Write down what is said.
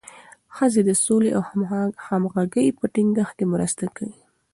ښځې د سولې او همغږۍ په ټینګښت کې مرسته کوي.